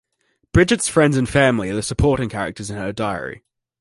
Bridget's friends and family are the supporting characters in her diary.